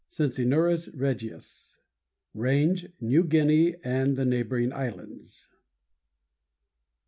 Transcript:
= Cincinnurus regius. RANGE New Guinea and the neighboring islands.